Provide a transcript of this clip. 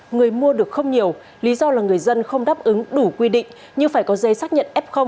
người mua được không nhiều lý do là người dân không đáp ứng đủ quy định như phải có dây xác nhận f